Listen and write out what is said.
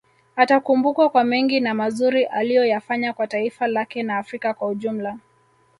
Atakumbukwa kwa mengi na mazuri aliyoyafanya kwa taifa lake na Afrika kwa ujumla